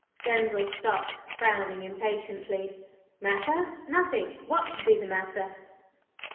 Denzil stopped, frowning impatiently. "Matter? Nothing! What should be the matter?"